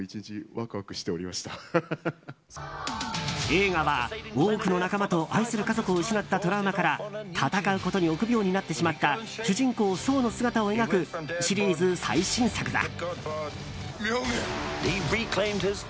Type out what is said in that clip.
映画は、多くの仲間と愛する家族を失ったトラウマから戦うことに臆病になってしまった主人公ソーの姿を描くシリーズ最新作だ。